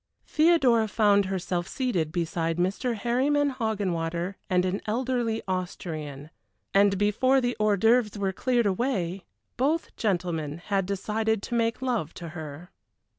Theodora found herself seated beside Mr. Harryman Hoggenwater and an elderly Austrian, and before the hors d'oeuvres were cleared away both gentlemen had decided to make love to her.